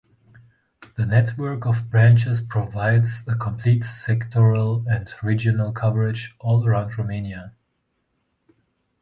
The network of branches provides a complete sectoral and regional coverage, all around Romania.